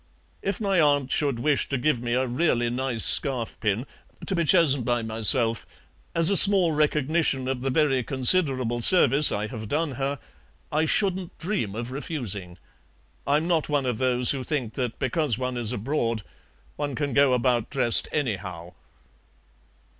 If my aunt should wish to give me a really nice scarf pin (to be chosen by myself), as a small recognition of the very considerable service I have done her, I shouldn't dream of refusing. I'm not one of those who think that because one is abroad one can go about dressed anyhow."